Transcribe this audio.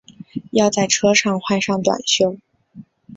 要在车上换上短袖